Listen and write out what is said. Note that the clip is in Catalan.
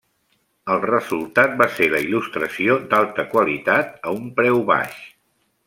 El resultat va ser la il·lustració d'alta qualitat a un preu baix.